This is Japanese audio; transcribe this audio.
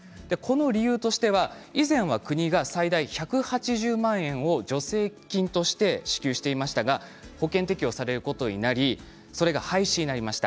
理由としては以前は国が最大１８０万円を助成金として支給していましたが保険適用がされることになり廃止になりました。